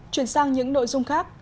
chuyển sang những nội dung khác